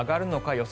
予想